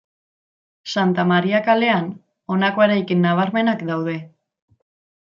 Santa Maria kalean honako eraikin nabarmenak daude.